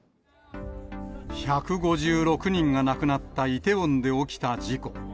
１５６人が亡くなったイテウォンで起きた事故。